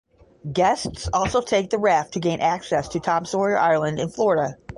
Guests also take the raft to gain access to Tom Sawyer Island in Florida.